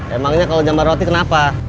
emangnya kalau gambar roti kenapa